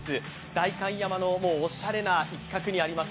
代官山のおしゃれな一角にあります